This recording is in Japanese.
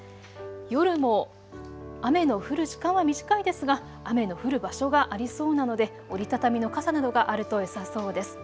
夜も雨の降る時間は短いですが雨の降る場所がありそうなので折り畳みの傘などがあるとよさそうです。